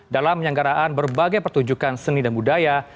dalam menyenggaraan berbagai pertunjukan seni dan budaya